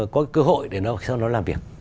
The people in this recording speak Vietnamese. có cơ hội để sau đó làm việc